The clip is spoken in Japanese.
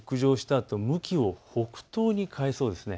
あと向きを北東に変えそうです。